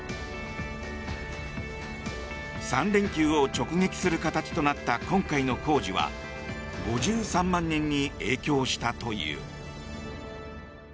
３連休を直撃する形となった今回の工事は５３万人に影響したという。